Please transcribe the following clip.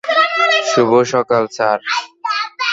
শুভ সকাল, স্যার।